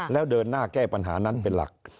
แล้วเดินหน้าแก้ปัญหานั้นเป็นหลัก